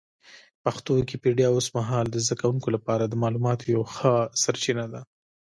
پښتو ويکيپېډيا اوس مهال د زده کوونکو لپاره د معلوماتو یوه ښه سرچینه ده.